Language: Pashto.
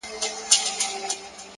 وخت د ژوند د پانګې نوم دی!